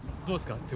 どうですか？